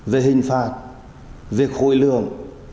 về hình phạt về khối lượng